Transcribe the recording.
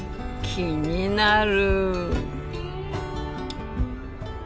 気になる。